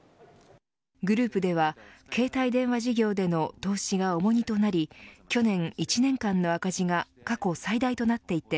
グループでは、携帯電話事業での投資が重荷となり去年、１年間の赤字が過去最大となっていて